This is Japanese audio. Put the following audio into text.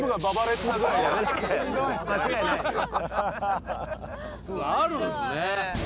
そういうのあるんですね。